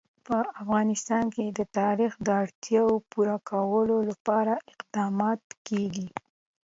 په افغانستان کې د تاریخ د اړتیاوو پوره کولو لپاره اقدامات کېږي.